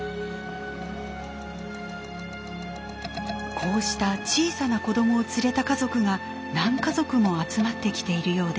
こうした小さな子どもを連れた家族が何家族も集まってきているようです。